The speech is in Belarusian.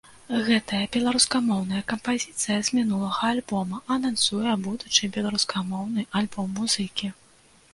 Гэтая беларускамоўная кампазіцыя з мінулага альбома анансуе будучы беларускамоўны альбом музыкі.